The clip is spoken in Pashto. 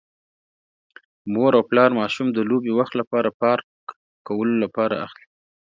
مور او پلار ماشوم د لوبې وخت لپاره پارک کولو لپاره اخلي.